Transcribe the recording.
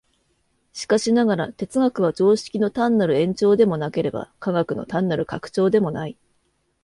しかしながら、哲学は常識の単なる延長でもなければ、科学の単なる拡張でもない。